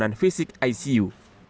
dan fisik icu